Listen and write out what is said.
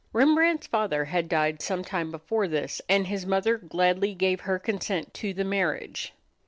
Rembrandt's father had died some time before this, and his mother gladly gave her consent to the marriage.